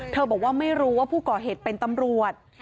พี่บุหรี่พี่บุหรี่พี่บุหรี่พี่บุหรี่